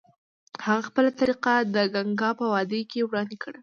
هغه خپله طریقه د ګنګا په وادۍ کې وړاندې کړه.